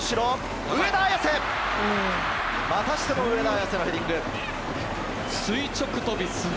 またしても上田綺世のヘディング。